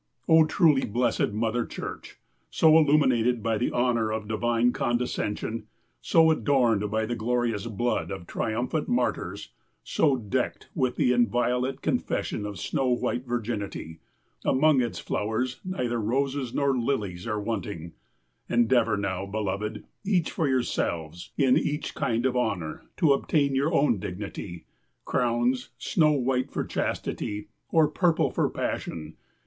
O truly blessed Mother Church ! so illuminated by the honor of divine condescension, so adorned by the glorious blood of triumphant martyrs, so decked with the inviolate confession of snow white virginity ! Among its flowers neither roses nor lilies are wanting. Endeavor now, beloved, each for yourselves, in each kind of honor, to obtain your own dignity — crowns, snow white for chastity, or purple for passion.